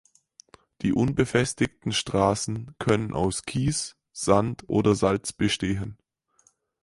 Die unbefestigten Straßen können aus Kies, Sand oder Salz bestehen.